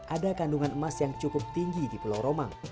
ada kandungan emas yang cukup tinggi di pulau romang